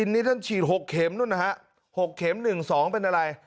อันนี้ท่านฉีดหกเข็มนู่นนะฮะหกเข็มหนึ่งสองเป็นอะไร